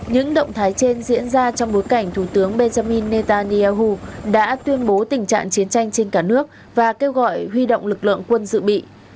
những động thái trên diễn ra trong bối cảnh thủ tướng benjamin netanyahu đã tuyên bố tình trạng chiến tranh trên cả nước và kêu gọi huy động lực lượng quân dự bị